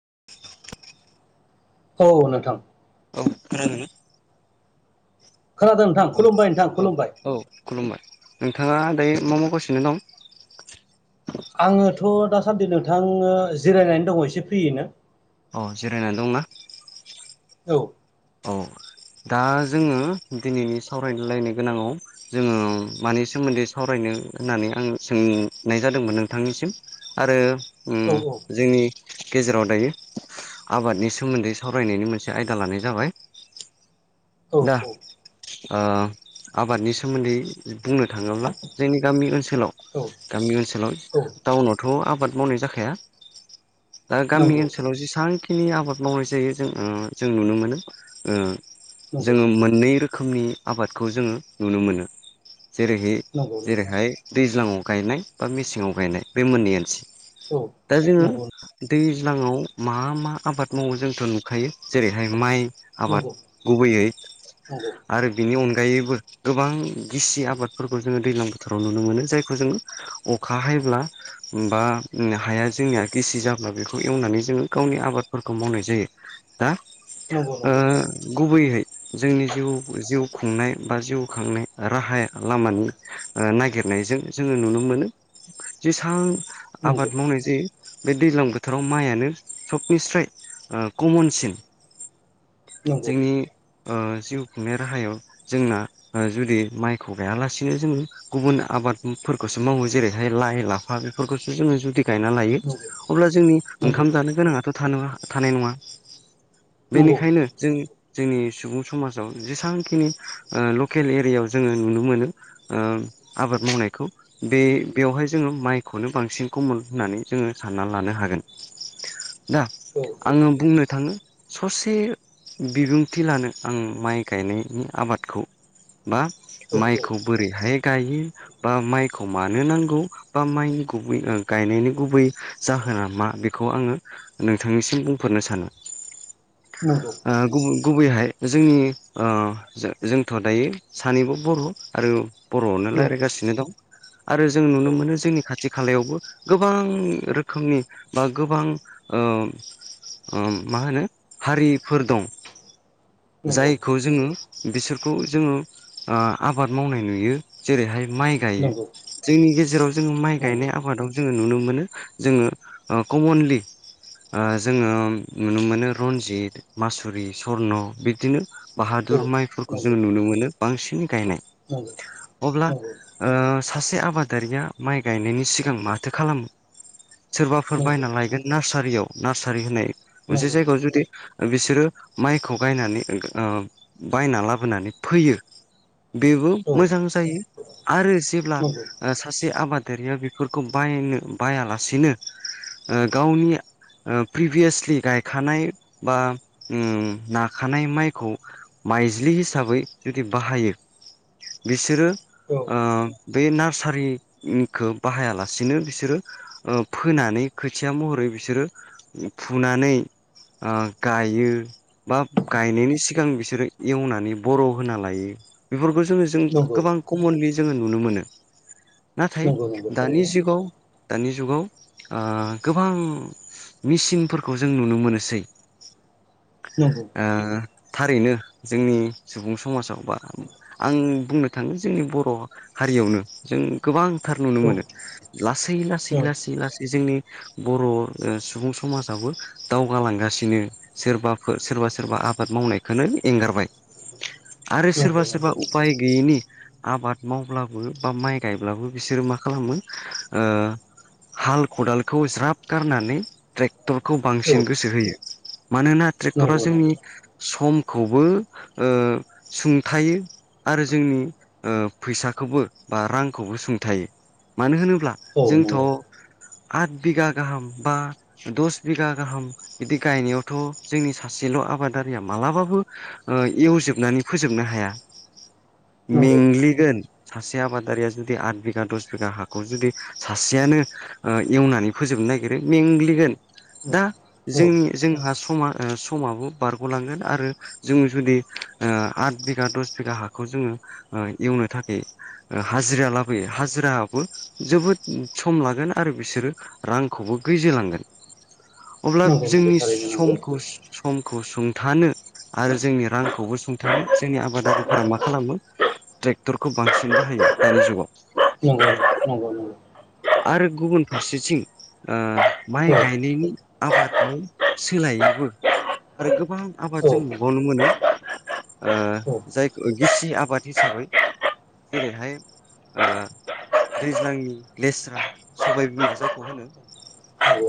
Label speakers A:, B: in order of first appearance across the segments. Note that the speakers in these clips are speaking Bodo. A: [unintelligible]
B: औ नोंथां
A: औ खोनादोंना
B: खोनादों नोंथां
A: ओ
B: खुलुमबाय नोंथां
A: औ
B: खुलुमबाय
A: औ खुलुमबाय नों थाङा दायो मा मावगासिनो दं
B: आङोथ' दासान्दि नोंथांनो जिरायनानै दङ एसे फ्रियैनो
A: अ जिरायनानै दंना
B: औ
A: अ दा जोङो दिनैनि सावरायलायनो गोनाङाव जोङो मानि सोमोन्दै सावरायनो होननानै आं सोंनाय जादोंमोन नोंथांनिसिम आरो उम
B: औ औ
A: जोंनि गेजेराव दायो आबादनि सोमोन्दै सावरायनायनि मोनसे आयदा लानाय जाबाय
B: औ
A: दा ओ आबादनि सोमोन्दै बुंनो थाङोब्ला जोंनि गामि ओनसोलाव
B: औ
A: गामि ओनसोलाव
B: औ
A: टाउनावथ' आ बाद मावनाय जाखाया दा गामि
B: नंगौ
A: ओनसोलाव जेसां खिनि आबाद मावनाय जायो जों ओजों नुनो मोनो ओ
B: नंगौ
A: जोङो मोननै रोखोमनि आबादखौ जोङो नुनो मोनो जेरैहाय
B: नंगौ नंगौ
A: जेरैहाय दैज्लाङाव गायनाय बा मेसेङाव गायनाय बे मोननैयानोसै
B: औ
A: दा जोङो
B: नंगौ
A: दैज्लाङाव मा मा आबाद मावो जोंथ' नुखायो जेरैहाय माइ
B: नंगौ
A: आबाद गुबैयै
B: नंगौ
A: नि अनगायैबो गोबां गिसि आबादफोरखौ जोङो दैजलां बोथोराव नुनो मोनो जायखौ जों अखा हायब्ला बा हाया जोंनिया गिसि जाब्ला बेखौ एवनानै जोङो गावनि आबादफोरखौ मावनाय जायो दा
B: नंगौ
A: ओ गुबैयैहै जोंनि जिउ जिउ खुंनाय बा जिउ खांनाय राहाया लामानि ओ नागिर नायजों जोङो नुनो मोनो जेसां
B: नंगौ नंगौ
A: आबाद मावनाय जायो। बे दैज्लां बोथोराव माइयानो सबनिस्राय ओ कमनसिन
B: नंगौ नंगौ
A: जोंनि ओ जिउ खुंनाय राहायाव जोंना ओ जुदि माइखौ गायालासेनो जोंङो गुबुन आ बादफोरखौसो मावो जेरैहाय लाइ लाफा बेफोरखौसो जोङो जुदि गायना लायो अब्ला जोंनि
B: नंगौ
A: ओंखाम जानो गोनाङाथ' थानाय नङा थानाय नङा
B: नंगौ
A: बेनिखायनो जों जोंनि सुबुं समाव जेसांखिनि ओ लकेल एरियायाव जोङो नुनो मोनो ओ आ आबाद मावनायखौ बे बेवहाय जोङो माइखौनो बांसिन कमन होननानै जोङो सानना लानो हागोन। दा
B: औ
A: आङो बुंनो थाङो ससे बिबुं थि लानो आं माइ गायनायनि आबादखौ बा
B: औ औ
A: माइखौ बोरैहाय गायो बा माइखौ मानो नांगौ बा माइनि गुबै गायनायनि गुबै जा होना मा बेखौ आङो नोंथांनिसिम बुंफोरनो सानो
B: नंगौ
A: ओ गुबुन गुबैहाय जोंनि ओ जोंथ' दायो सानैबो बर' आरो बर'आवनो
B: औ
A: रायलायगासिनो दं आरो जों
B: औ
A: नुनो मोनो जोंनि खाथि खालायावबो गोबां रोखोमनि बा गोबां ओ ओम मा होनो हारिफोर दं
B: नंगौ
A: जायखौ जोङो बिसोरखौ जोङो ओ आबाद मावनाय नुयो जेरैहाय माइ गायो
B: नंगौ नंगौ
A: जोंनि गेजेराव जोङो माइ गायनाय आबादाव जोङो नुनो मोनो जोङो ओ कमनलि ओ जोङो नुनो मोनो रन्जित मासुरि स्वर्न बिदिनो
B: औ
A: बाहादुर माइफोरखौ
B: नंगौ नंगौ
A: जोङो नुनो मोनो बांसिनै गायनाय
B: नंगौ नंगौ
A: अब्ला
B: नंगौ औ
A: ओ सासे आबादारिया माइ गायनायनि सिगां माथो खालामो सोरबाफोर बायना लायगोन नार्सारियाव नार्सारि होननाय मोनसे जायगायाव जुदि बिसोरो माइखौ गायनानै ओ बायना लाबोनानै फैयो बेबो मोजां जायो आरो जेब्ला
B: नंगौ
A: ओ सासे आबादारिया बेफोरखौ बायनो बायालासेनो ओ गावनि प्रिभियासलि गायखानाय बा उम नाखानाय माइखौ माइज्लि हिसाबै जुदि बाहायो बिसोरो
B: औ
A: ओ बे नार्सारिनिखौ बाहायालासिनो बिसोरो ओ फोनानै खोथिया महरै बिसोरो फुनानै ओ गायो। बा गायनायनि सिगां बिसोरो एवनानै बर' होना लायो बेफोरखौ जोङो जों
B: नंगौ
A: गोबां कमनलि जोङो नुनो मोनो नाथाय
B: नंगौ नंगौ
A: दानि
B: थारैनो
A: जुगाव दानि जुगाव ओ गोबां मेसिनफोरखौ जों नुनो मोनोसै
B: नंगौ
A: ओ थारैनो जोंनि सुबुं समाजाव बा आं बुंनो थाङो जोंनि बर' हा रियावनो जों गोबांथार नुनो
B: औ
A: मोनो लासै लासै
B: औ
A: लासै लासै जोंनि बर' ओ सुबुं समाजाबो दावगालांगासिनो सोरबा फो सोरबा सोरबा आबाद मावनायखौनो एंगारबाय आरो
B: नंगौ
A: सोरबा सोरबा
B: नंगौ
A: उफाय गैयिनि आबाद मावब्लाबो बा माइ गायब्लाबो बिसोरो मा खालामो ओ हाल खदालखौ ज्राब गारनानै ट्रेक्टरखौ
B: औ
A: बांसिन गोसो होयो मानोना ट्रेक्टरा
B: नंगौ नंगौ
A: जोंनि समखौबो ओ सुंथायो आरो जोंनि फैसाखौबो बा रांखौबो सुंथायो मानो होनोब्ला
B: औ
A: जोंथ'
B: नंगौ
A: आठ बिगा गाहाम बा दस बिगा गाहाम बिदि गायनायावथ' जोंनि सासेल' आबादारिया मालाबाबो ओ एवजोबनानै फोजोबनो हाया। मेंंग्लिगोन सासे आबादारिया जुदि आठ बिघा दस बिघा हाखौ जुदि सासेयानो ओ एवनानै फोजोब नो नागिरो मेंग्लिगोन। दा
B: नंगौ औ
A: जोंनि जोंहा समा ओ समाबो बारग'लांगोन आरो जोङो जुदि ओ आट बिगा दस बिगा हाखौ जोङो ओ एवनो थाखाय ओ हाजिरा लाबोयो हाजिराबो जोबोद सम ला गोन आरो बिसोरो रांखौबो गैजो लांगोन अब्ला
B: नंगौ नंगौ
A: जोंनि
B: थारैनो
A: सम
B: नंगौ
A: समखौ सुंथानो आरो जोंनि रांखौबो सुंथाङो जोंनि आबादारिफोरा मा खालामो ट्रेक्टरखौ बांसिनबो होयो दानि जुगाव।
B: नंगौ नंगौ नंगौ
A: आरो गुबुन फारसेथिं ओ माइ
B: औ
A: गायनायनि आबादखौ सोलायोबो आरो गोबां आबाद
B: औ
A: जों नुबावनो मोनो ओ
B: औ
A: जाय गिसि आबाद हिसाबै जेरैहाय ओ दैज्लांनि लेस्रा सबाय बिमा जायखौ होनो
B: नंगौ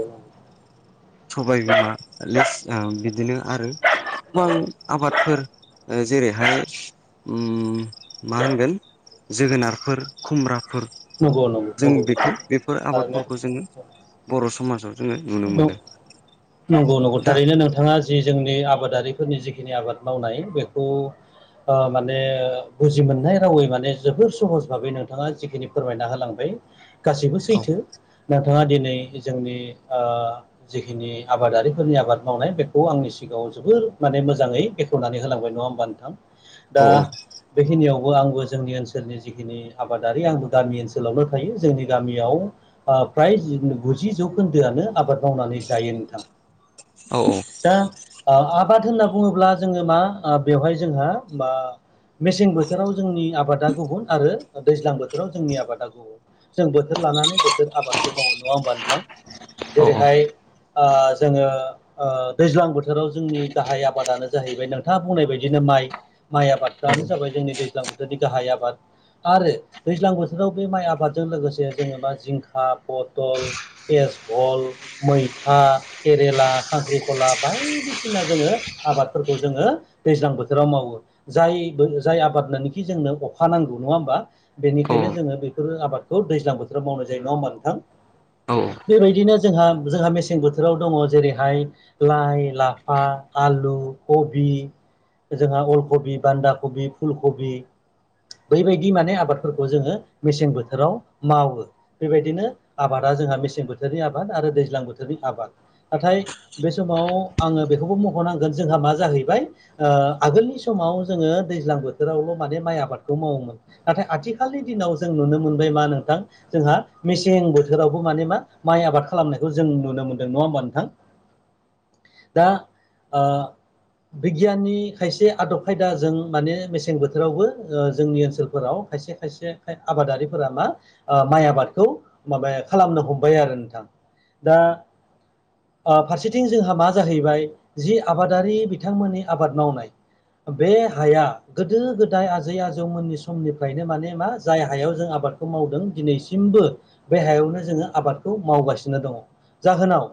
A: सबाय बिमा लेसरा बिदिनो आरो गोबां आबादफोर जेरैहाय मा उम होनगोन जोगोनारफोर खुमब्रा फोर
B: नंगौ नंगौ
A: जों
B: नंगौ
A: बेखो
B: नंगौ
A: बेफोर आबाद फोरखो
B: थारैनो
A: जों बर' सुबुं समाजाव जोङो नुनो मोनो
B: नंगौ नंगौ
A: दा
B: थारैनो नोंथाङा जि जोंनि बे आबादारिफोरनि जिखिनि आबाद मावनाय बेखौ ओ माने बुजि मोननाय रावै माने जोबोर सहज भाबै नोंथाङा जिखिनि फोरमायना होलांबाय गासैबो
A: औ
B: सैथो नोंथाङा दिनै जोंनि ओ जिखिनि आबादारिफोरनि आबाद मावनाय बेखौ आंनि सिगाङाव जोबोर माने मोजाङै बेखनानै होलांबाय नङा होमबा नोंथां।
A: औ
B: दा बेखिनियाव आंबो जोंनि ओनसोलनि जिखिनि आबादारि आंबो गामि ओनसोलावल' थायो जोंनि गामियाव प्राय गुजि जौखोन्दो दोआनो‌ आबाद मावनानै जायो नोंथां
A: औ
B: दा ओ आबाद होनना बुङोब्ला जोङो मा बेवहाय जोंहा मा मेसें बोथोराव जोंनि आबादा गुबुन आरो दैज्लां बोथोराव जोंनि आबादा गुबुन जों बोथोर लानानै बोथोर आबादखौ मावो नङा होमबा नोंथां!
A: औ
B: जेरैहाय ओ जोङो ओ दैज्लां बोथोराव जोंनि गाहाय आबादानो जाहैबाय नोंथाङा बुंनाय बायदिनो माइ माइ आबादफ्रानो जाबाय जोंनि दैज्लां बोथोरनि गाहाय आबाद आरो दैज्लां बोथोराव बे माइ आबादजों लोगोसे जोबा जिंखा पथल केसबल मैथा केरेला खांख्रिखला बायदिसिना जोङो आबादफोरखौ जोङो दैज्लां बोथोराव मावो। जाय जाय आबादानोखि जोंनो अखा नांगौ नङा होमबा! बेनिखायनो जोङो बेफोर आबादखौ दैज्लां बोथोराव मावनाय जायो नङा होमबा नोंथां!
A: औ
B: बेबायदिनो जोंहा जोंहा मेसें बोथोराव दङ जेरैहाय लाइ लाफा आलु कबि बि जोंहा अलकबि बान्दा कबि फुल कबि बैबायदि माने आबादफोरखौ जोङो मेसें बोथोराव मावो बेबायदिनो आबादिनो आबाद जोंहा मेसें बोथोरनि आबाद आरो दैज्लां बोथोरनि आबाद नाथाय बे समाव आङो बेखौबो मख'नांगोन जोंहा मा जाहैबाय ओ आगोलनि समाव जोङो दैज्लां बोथोरावल' माने माइ आबाद खौ मावोमोन नाथाय आथिखालनि दिनाव जों नुनो मोनबाय मा नोंथां जोंहा मेसें बोथोर जेरावबो माने मा माइ आबाद खालामनायखौ जों नुनो मोनदों, नङा होमबा नोंथां? दा ओ बिगियाननि खायसे आदब खायदाजों माने मेसें बोथोरावबो ओ जोंनि ओनसोलफोराव खायसे खायसे आबादारिफोरा मा ओ माइ आबादखौ माबाया खालामनो हमबाय आरो नोंथां। दा ओ फारसेथिं जोंहा मा जाहैबाय जि आबादारि बिथांमोननि आबाद मावनाय बे हाया गोदो गोदाय आजै आजौमोननि समनिफ्रायनो माने मा जाय हायाव जों आबा बादखौ मावदों दिनैसिमबो बे हायावनो जोङो आबादखौ मावगासिनो दङ'। जाहोनाव